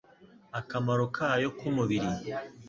Akamaro kayo ku mubiri